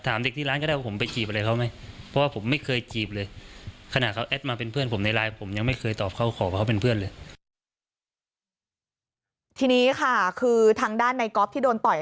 ทีนี้ค่ะคือทางด้านในก๊อฟที่โดนต่อย